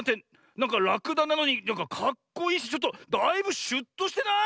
なんからくだなのになんかかっこいいしちょっとだいぶシュッとしてない？